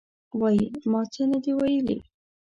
وایي: ما څه نه دي ویلي.